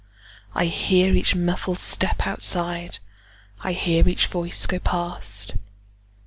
I hear each muffled step outside,I hear each voice go past.